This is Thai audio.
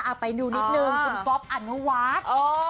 เอาไปดูนิดนึงคุณป๊อปอันวาส